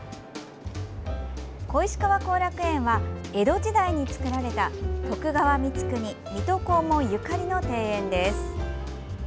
小石川後楽園は江戸時代に造られた徳川光圀・水戸黄門ゆかりの庭園です。